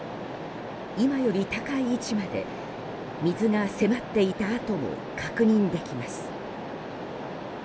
今より高い位置まで水が迫っていた跡も確認できます。